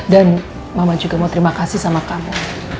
dan mama juga mau terima kasih sama kamu